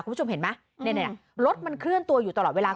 คุณผู้ชมเห็นไหมเนี่ยรถมันเคลื่อนตัวอยู่ตลอดเวลา